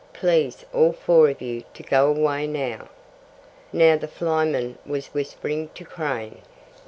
Please all four of you to go away now." Now the flyman was whispering to Crane.